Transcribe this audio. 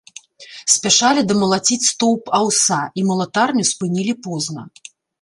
Спяшалі дамалаціць стоўп аўса, і малатарню спынілі позна.